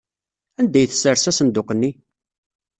Anda ay tessers asenduq-nni?